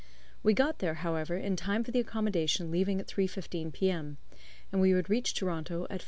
We got there, however, in time for the accommodation leaving at 3.15 p.m., and we would reach Toronto at 5.